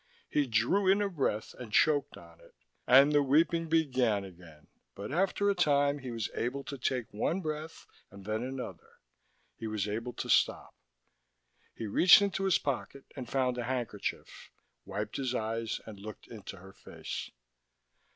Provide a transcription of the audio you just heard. He drew in a breath and choked on it, and the weeping began again, but after a time he was able to take one breath and then another. He was able to stop. He reached into his pocket and found a handkerchief, wiped his eyes and looked into her face.